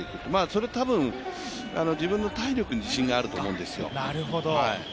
それはたぶん、自分の体力に自信があると思うんですよ。